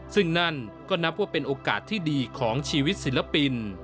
ซึ่งนั่นก็นับว่าเป็นโอกาสที่ดีของชีวิตศิลปิน